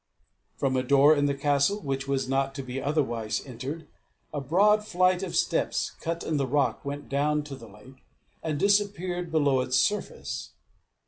From a door in the castle, which was not to be otherwise entered, a broad flight of steps, cut in the rock, went down to the lake, and disappeared below its surface.